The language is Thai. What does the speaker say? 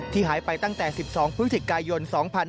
หายไปตั้งแต่๑๒พฤศจิกายน๒๕๕๙